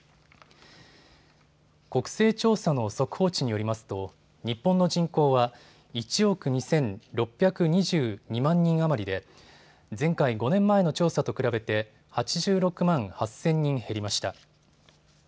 国勢調査の速報値によりますと日本の人口は１億２６２２万人余りで前回５年前の調査と比べて８６万８０００人減りました。